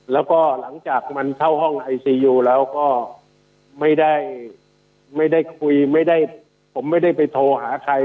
แล้วก็หลังจากมันเข้าห้องไอซียูแล้วก็ไม่ได้ไม่ได้คุยไม่ได้ผมไม่ได้ไปโทรหาใคร